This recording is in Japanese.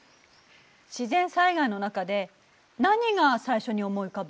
自然災害の中で何が最初に思い浮かぶ？